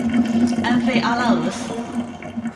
安菲阿拉俄斯。